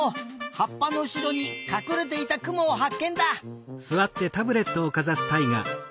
はっぱのうしろにかくれていたクモをはっけんだ！